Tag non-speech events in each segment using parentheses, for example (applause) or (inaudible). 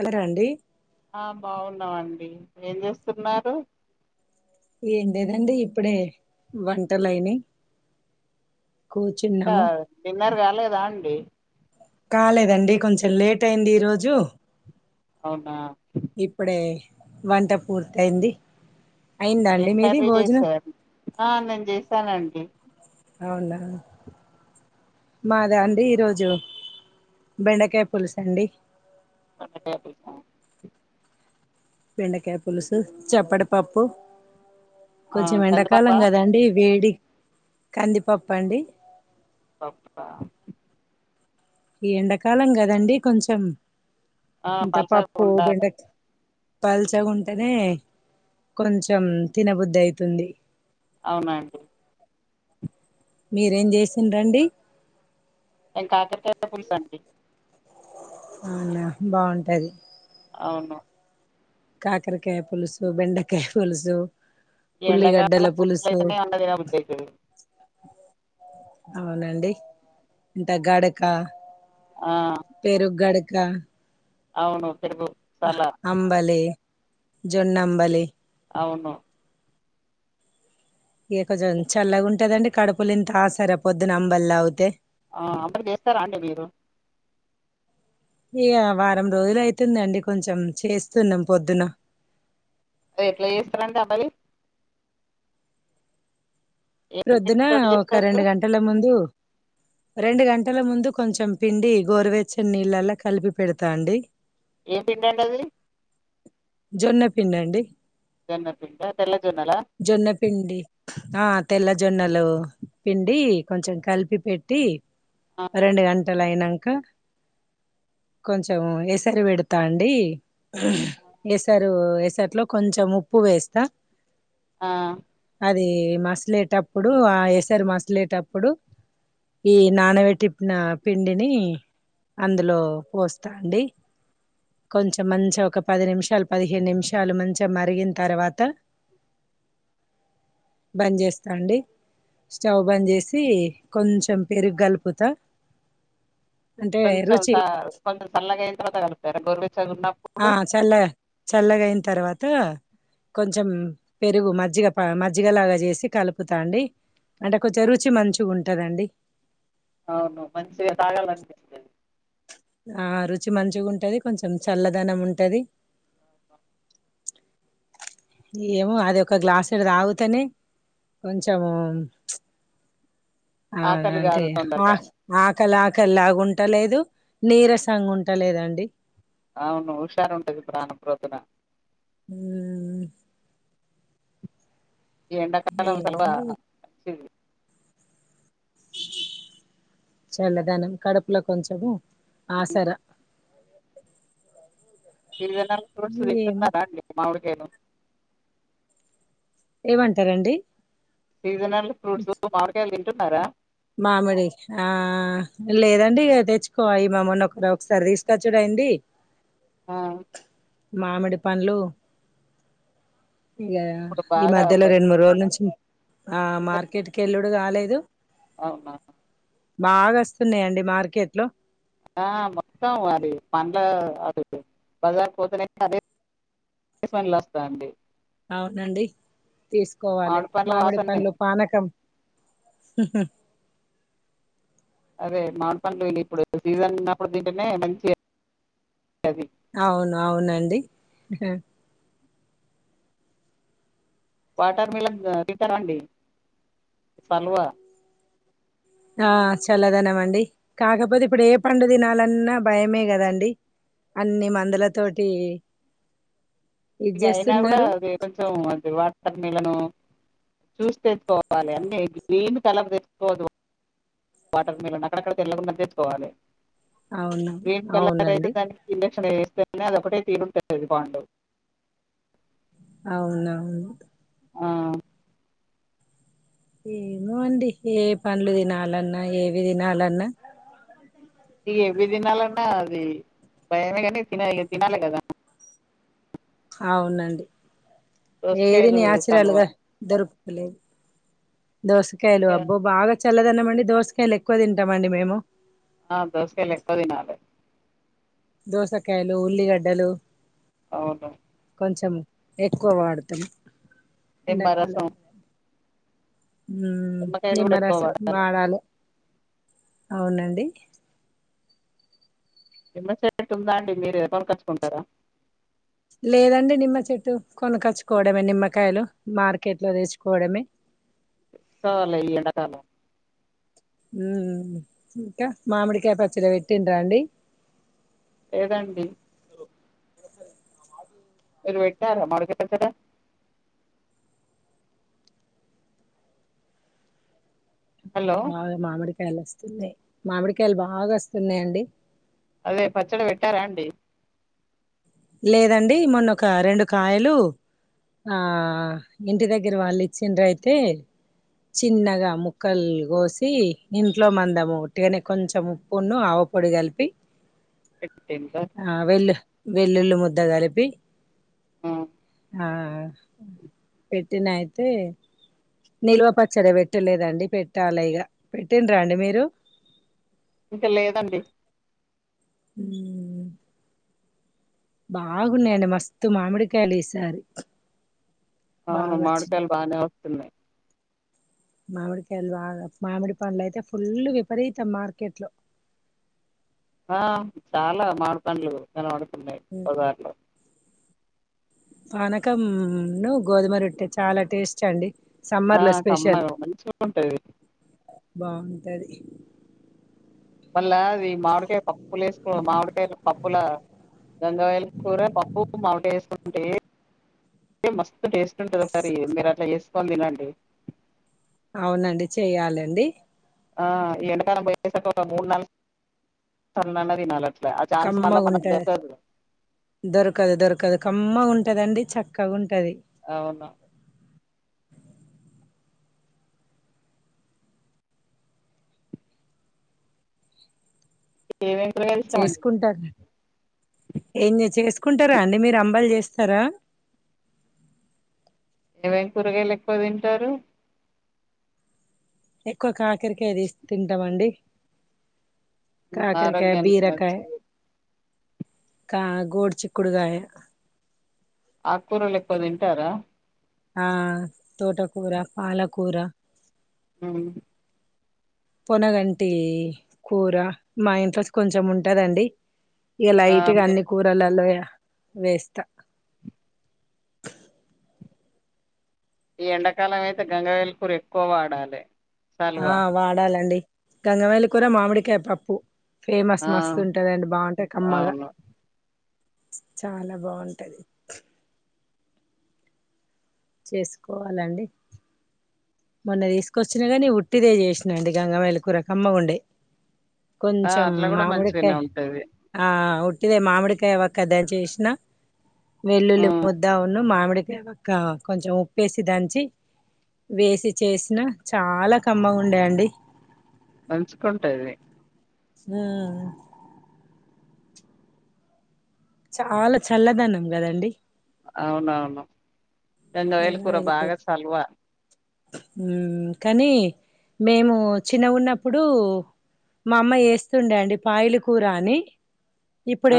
ఎవరండీ ఆ బాగున్నామండి. ఏం చేస్తున్నారు? ఏం లేదండి ఇప్పుడే వంటలయినయి ఇంకా డిన్నర్ కాలేదా అండి? కాలేదండి కొంచెం లేట్ అయింది ఈరోజు అవునా ఇప్పుడే వంట పూర్తయింది. అయిందా ఏం అండి మీది కర్రీ భోజనం చేశారు. ఆ నేను చేసానండి. అవునా మాదా అండి ఈరోజు బెండకాయ పులుసు అండి బెండకాయ పులుసా బెండకాయ పులుసు చెప్పటిపప్పు ఆ కొంచెం ఎండాకాలం కందిపప్పా కదండి, వేడి కందిపప్పండి. పప్పా ఈ ఎండాకాలం కదండి కొంచెం ఆ ఇంత పలసగా పప్పు ఉండాలి బెండక పల్చగుంటేనే కొంచెం తినబుద్ధి అయితుంది అవునండి మీరేం చేసిండ రండి ఇం కాకరయా పులుసు అండి అవునా బాగుంటది అవును కాకరకాయ పులుసు బెండకాయ పులుసు ఈ ఎండకాల ఉల్లిగడ్డల పూర్చల పులుసు అ దిన బుద్ధి అవుతాది అవునండి ఇంట గడక ఆ పెరుగు గడక కా అవును పెరుగు సలాడ్ అంబలి జొన్న అంబలి అవును ఇక కొంచం చల్లగా ఉంటాదండి కడుపులు ఇంత ఆ సరపోద్దున అంబలి తాగితే ఆ అంబలి చేస్తారా అండి మీరు ఇగ వారం రోజులు అయితుందండి కొంచెం చేస్తున్నాం పొద్దున అదీ ఎట్లా చేస్తారంటడి అంబలి ఏం ప్రొద్దున పిండి తోటి ఒక చేస్తారు రెండు గంటల ముందు రెండు గంటల ముందు కొంచెం పిండి గోరువెచ్చని నీళ్ళలా కలిపి పెడతా అండి ఏం పిండి అండి అది జొన్న పిండి అండి జొన్న పిండా తెల్ల జొన్నలా జొన్నపిండి ఆ తెల్ల జోన్నలు పిండి కొంచం కలిపి పెట్టి ఆ రెండు గ నెల అయినాంక కొంచెం ఏసరి పెడతా అండి ఎసరు ఎసర్లో కొంచెం ఉప్పు వేస్తా ఆ అది మసలేటప్పుడు ఆ ఎసారు మసలేటప్పుడు ఈ నాన పేటిప్పన పిండిని అందులో పోస్తా అండి కొంచెం మంచి ఒక పది నిమిషం పదిహేను నిమిషాలు మంచి మరిగిన తర్వాత బంద్ చేస్తాండి స్టవ్ బంద చేసి కొంచెం పెరుగ కలుపుతా అంటే కొంచ చల్త రుచి కొంచ సల్లగాంత తగలుతార పెరుగు ఆ చల్ల చల్లగాయిన తర్వాత కొంచెం పెరుగు మజ్జిగ మజ్జగ లాగా చేసి కలుపుతాండి అంటే కొంచెం రుచి మంచిగా ఉంటదండి అవును మనిషికి తగల అనిపించేంది ఆ రుచి మంచిగా ఉంటది కొంచెం చల్లదనం ఉంటది ఏమో అది ఒక గ్లాసుడు తాగుతనే కొంచము చ్ అ ఆకలి అంతే కాదు తొందరగా ఆకలి ఆకలి ఉంటలేదు నీరసంగా ఉంటలేదండి. అవును హుషారు ఉంటది ప్రాణం ప్రొద్దున. ఊమ్ ఈ ఎండాకాలం సెలవా ఏమండి (unintelligible) చల్లదనం కడుపులో కొంచము ఆసర (inaudible) సీజనల్ ఫ్రూట్స్ తింటున్నారా అండి మామిడికాయలు ఏవంటరండి సీజనల్ ఫ్రూట్స్ మామిడికాయల్ తింటున్నరా మామిడి ఆ లేదండి ఇగ తెచ్చుకో ఈమె మొన్న ఒకరొ ఒకసారి తీసుకొచ్చుడు ఐ అండి ఆ మామిడి పండ్లు ఇగ ఇప్పుడు ఈ బాగా మధ్యలో రెండు మూడు రోజుల నుంచి ఆ సీజన్ మార్కెట్ కు ఎల్లుడు గాలేదు అవునా బాగ అస్తున్నయండి మార్కెట్ లో ఆ మొత్తం అది పండ్ల అది బజార్ పోతనైతే అదే (inaudible) పండ్లు ఒస్తాంది అవునండి తీసుకోవాలె పండ్ల మామిడి వాసన్నే పండ్లు పానకం హుహు అదే మామిడి పండ్లు ఇప్పుడు సీజన్ ఉన్నప్పుడు తింటనే మంచిగ (inaudible) టది అవును అవునండి ఇహ వాటర్ మిలన్ తింటారా అండి సల్వా ఆ చల్లదనం అండి కాకపోతే ఇప్పుడు ఏ పండు దినాలన్నా భయమే గదండి అన్ని మందుల తోటీ ఇగ అయినా గూడా అది కొంచెం అది వ తర్నీలను చూసి తెచ్చుకోవాలే అన్నీ గ్రీన్ కలర్ దెచ్చుకోవద్దు వాటర్ మిలన్ అక్కడక్కడ తెల్లగున్నది దెచ్చుకోవాలే అవును గ్రీన్ కలర్ అయితే అవునండి దానికి ఇంజక్షన్ ఏస్ (unintelligible) అది ఒకటి తీరు ఉంటది పండు అవునవును ఆ ఏమో అండి ఏ పండ్లు దినాలన్న ఏవి దినాలన్న ఇగ ఏవి దినాలన్నా అదీ భయమే గానీ తినాలి తినాలే గదా అవునండి ఏది దోసకాయలు న్యాచురల్ సల్వా గ దొరుకుతలేదు దోసకాయలు ఇక, అబ్బో బాగా చల్లదనం అండి దోసకాయలు ఎక్కువ దింటామండి మేము ఆ దోసకాయలు ఎక్కువ దినాలే దోసకాయలు ఉల్లిగడ్డలు అవును కొంచెం ఎక్కువ వాడుతం నిమ్మరసం ఊమ్ నిమ్మకాయలు కూడా ఎక్కువ నిమ్మరసం వాడాలి వాడాలె అవునండి నిమ్మ చెట్టు ఉందా అండి మీరు కొనుకొచ్చుకుంటరా లేదండి నిమ్మ చెట్టు, కొనుకొచ్చుకోవడమే నిమ్మకాయలు, మార్కెట్ లో తెచ్చుకోవడమే. తెచ్చుకోవాలే ఈ ఎండాకాలం ఊ ఇంకా మామిడికాయ పచ్చడ వెట్టిండ్ర అండి లేదండి మీరు పెట్టారా మామిడికాయ పచ్చడా హలో బాగా మామిడికాయలు వస్తున్నాయి మామిడికాయలు బాగా వస్తున్నాయండి అదే పచ్చడ పెట్టారా అండి లేదండి మొన్న ఒక రెండు కాయలు ఆ ఇంటి దగ్గర వాళ్ళు ఇచ్చిండ్ర అయితే చిన్నగా ముక్కలు కోసి ఇంట్లో మందము ఉట్టిగానే కొంచెం ఉప్పును అవ పొడి కలిపి పెట్టిండ్రా ఆ వెల్లు వెల్లుల్లి ముద్ద కలిపి ఆ ఆ పెట్టిన అయితే నిల్వ పచ్చడి పెట్టలేదండి పెట్టాలి ఇగ పెట్టిన్రా అండి మీరు ఇంక లేదండి ఉమ్ బాగున్నాయండి మస్తు మామిడికాయలు ఈసారి అవును బాగా వచ్చినాయి మామిడికాయలు బానే వస్తున్నాయి మామిడికాయలు బాగా మామిడి పండ్లు అయితే ఫుల్లు విపరీతం మార్కెట్ లో ఆ చాలా మాడి పండ్లు కనబడుతున్నాయి బజార్లో పానకం ఉన్ను గోధుమ రొట్టె చాలా టేస్ట్ అండి ఆ సమ్మర్ లో స్పెషల్ కమ్మగా మంచిగా ఉంటాది బాగుంటది మళ్ళా ఆది మామిడికాయ పప్పులేసుకో మామిడికాయ పప్పుల గంగావాయిలి కూర పప్పు మావిడికాయి ఎసుకుంటే మస్తు టేస్ట్ ఉంటుంది ఒసారి మీరు అట్లా చేసుకోని తినండి అవునండి చెయాలండి ఆ ఈ ఎండాకాలం పోయసర్కి ఒక మూడు నాలుగు పండ్లన్న తినాల కమ్మగా ఉంటది దొరకదు దొరకదు కమ్మగా ఉంటదండి చక్కగా ఉం అవును ఏమేం కూరగాయలు ఇష్టం అండి మీకు చేసుకుంటార్ ఏంది చేసుకుంటారా అండి మీరు అంబలి చేస్ స్తారా ఏం కూరగాయలు ఎక్కువ తింటారు ఎక్కువ కాకరకాయ తీసి తింటామండి ఉమ్, కాకరకాయి ఆరోగ్యానికి బీరకాయి మంచిది కా గోడు చిక్కుడుగాయ అక్కురలు ఎక్కువ తింటారా ఆ తోటకూర పాలకూర ఉహ్ పొనగంటి కూర మా ఇంట్లో కొంచెం ఉంటదండి ఇగ ఆ లైట్ గా అన్ని మే- కూరలల్లో యా వేస్త ఈ ఎండాకాలం అయితే గంగావైల్కూర ఎక్కువ వాడాలే ఆ వాడాలండి గంగవాయిల్ కూర మామిడికాయ పప్పు ఫేమస్ ఆ మస్తు ఉంటదండి బాగుంటది కమ్మగా అవును చాలా బాగుంటది. చేసుకోవాలండి. మొన్న తీసుకొచ్చిన గానీ ఉట్టిదే చేసినండి గంగబెయిల్ కూర కమ్మ గుండే. ఆ కొంచం అట్లా కూడా మామిడికాయ మంచిగానే ఉంటది ఆ. ఉట్టిదే మామిడికాయ వక్క దంచి వేసిన వెల్లుల్లి ఉమ్, ముద్ద ఉన్న మామిడి. ఇంకా కొంచెం ఉప్పుసి దంచి వేసి. చేసిన చాలా కమ్మగా ఉండేయండి. మంచుకుంటది. ఆ. చాలా చల్లదనం కదండి. అవునవును గంగాబయల కూర బాగా చలవా. హ్మ్ కానీ మేము చిన్నగున్నప్పుడు. మా అమ్మ చేస్తుండే అండి పాయల కూర అని.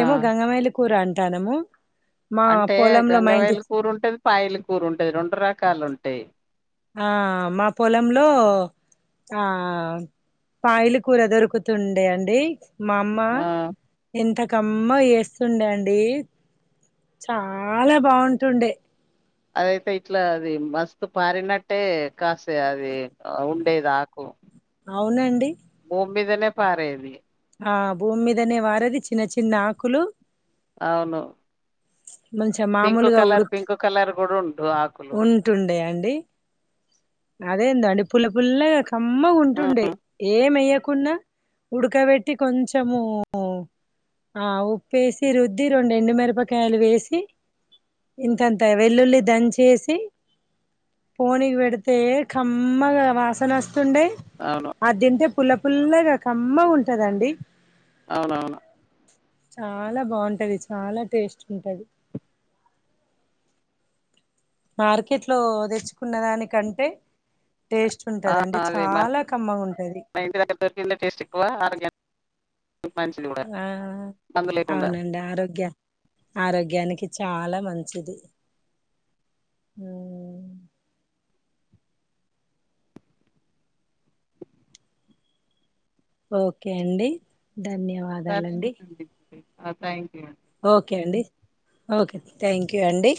ఆ గంగమైలి కూర అంటానము. మా అంటే పొలంలో మా ఇంటి గంగవాయల కూర ఉంటది పాయల కూర ఉంటది రెండు రకాలు ఉంటాయి. ఆ మా పొలంలో. ఆ పాయలు కూర దొరుకుతుండే అండి. మా అమ్మ ఆ ఇంతక్. కమ్మ చేస్తుండే అండి చాలా బాగుంటుండే. అదయితే ఇట్లా అది మస్తు పారినట్టే కాస అది ఉండేది ఆకు. అవునండి. భూమ్మీదనే పారేది. ఆ భూమి మీదనే పారేది చిన్న చిన్న ఆకులు. అవును. మంచిగా పింక్ మామూలుగా కలర్ ఉడుక్ పింక్ కలర్ కూడా ఉండు ఆకులు ఉంటుండే అండి. అదేందో అండి పుల్ల పుల్లగా కమ్మగా ఉంటుండే. ఉమ్ కున్నా ఉడకబెట్టి కొంచెము. ఆ ఉప్పేసి రుద్ది రెండు ఎండు మిరపక్. కాయలు వేసి ఇంతంత వెల్లుల్లి దంచసి. పోనీకి పేడితే కమ్మగా వాసన. వస్తుండే అవును అది తింటే పుల్ల పుల్లగా కమ్మ ఉంటదండి. అవునవును. చాలా బాగుంటది చాలా టేస్ట్‌. ఉంటాది. మార్కెట్లో తెచ్చుకున్న దానికంటే. టేస్ట్ ఆ ఉంటదండి అదే మన చాలా కమ్మగా ఉంటది. ఇంటి దగ్గర దొరికిందే టేస్ట్ ఎక్కువ ఆరోగ్యానికి మంచిది కూడా ఆ మందు లేకుండా అవునండి ఆరోగ్య ఆరోగ్యానికి. చాలా మంచిది హుమ్. ఓకే అండి ధన్యవాదాలండి. ఆ థాంక్యూ అండి. ఓకే అండి ఓకే థ్యాంక్ యూ అండి.